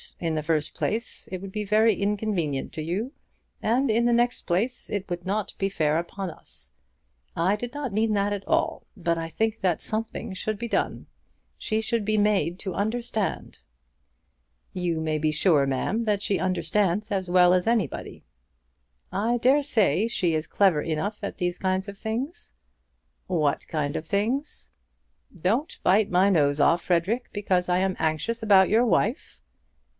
In the first place it would be very inconvenient to you, and in the next place it would not be fair upon us. I did not mean that at all. But I think that something should be done. She should be made to understand." "You may be sure, ma'am, that she understands as well as anybody." "I dare say she is clever enough at these kind of things." "What kind of things?" "Don't bite my nose off, Frederic, because I am anxious about your wife."